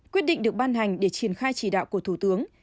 quyết định được ban hành để triển khai chỉ đạo của thủ tướng